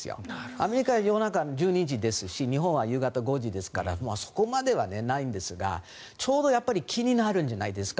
アメリカは夜中１２時ですし日本は夕方５時ですからそこまではないんですがちょうどやっぱり気になるんじゃないですか。